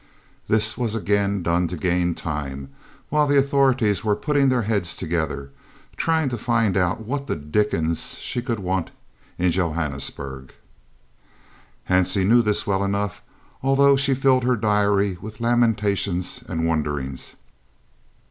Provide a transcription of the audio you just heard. This was again done to gain time while the authorities were putting their heads together, trying to find out "what the dickens" she could want in Johannesburg. Hansie knew this well enough, although she filled her diary with lamentations and wonderings.